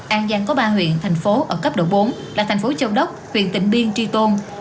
an giang có ba huyện thành phố ở cấp độ bốn là thành phố châu đốc huyện tịnh biên tri tôn